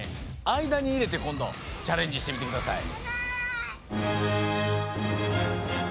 あいだにいれてこんどチャレンジしてみてください。